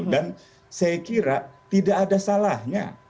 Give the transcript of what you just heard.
dan saya kira tidak ada salahnya